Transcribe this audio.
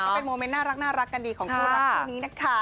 ก็เป็นโมเมนต์น่ารักกันดีของคู่รักคู่นี้นะคะ